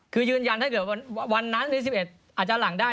คือยืนยันว่าวันนั้น๑๑อาจารย์หลังได้